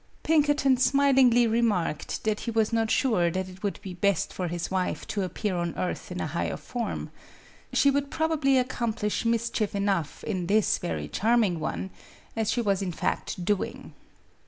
Pinkerton smilingly remarked that he was not sure that it would be best for his wife to reappear on earth in a higher form. She would probably accomplish mischief enough in this very charming one as she was in fact doing.